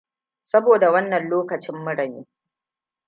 sabo da wannan lokacin mura ne